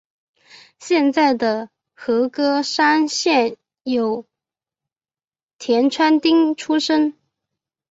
现在的和歌山县有田川町出身。